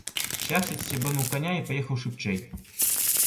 Шляхціц сцебануў каня і паехаў шыбчэй.